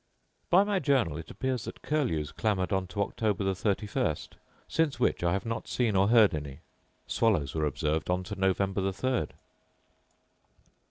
By my journal it appears that curlews clamoured on to October the thirty first; since which I have not seen or heard any. Swallows were observed on to November the third.